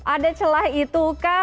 ada celah itukah